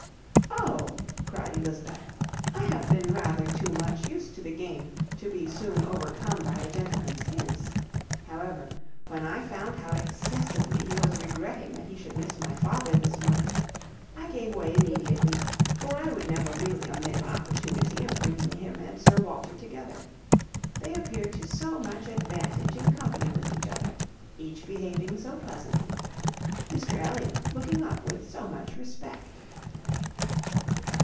"Oh!" cried Elizabeth, "I have been rather too much used to the game to be soon overcome by a gentleman's hints. However, when I found how excessively he was regretting that he should miss my father this morning, I gave way immediately, for I would never really omit an opportunity of bringing him and Sir Walter together. They appear to so much advantage in company with each other. Each behaving so pleasantly. Mr Elliot looking up with so much respect."